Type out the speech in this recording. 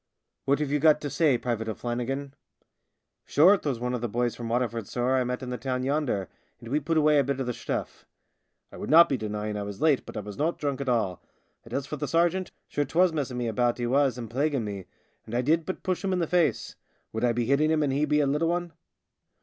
" What have you got to say, Private O'Flan nigan ?"" Shure, 'twas one of the boys from Water ford, sorr, I met in the town yonder, and we put away a bit of the shturL I would not be denying I was late, but I was not drunk at all. And as for the sergeant, sure 'twas messing me about he was and plaguing me, and I did but push him in the face. Would I be hitting him, and he a little one